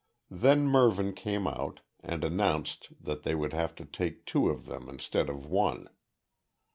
Then Mervyn came out and announced that they would have to take two with them instead of one.